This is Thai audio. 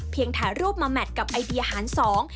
เพียงถ่ายรูปมาแมทกับไอเดียหารสอง